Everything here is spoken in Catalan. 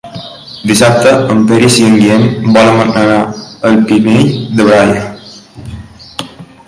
Dissabte en Peris i en Guillem volen anar al Pinell de Brai.